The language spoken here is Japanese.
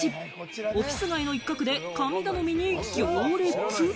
オフィス街の一角で神頼みに行列？